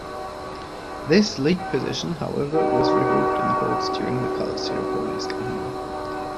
This league position, however, was revoked in the courts during the "Calciopoli" scandal.